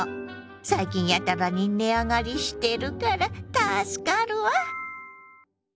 最近やたらに値上がりしてるから助かるわ！